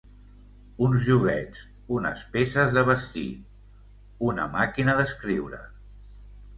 Uns joguets, unes peces de vestir... una màquina d'escriure.